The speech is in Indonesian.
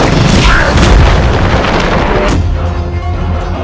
yang mengetahui mungkin semua perbuatan sebenarnya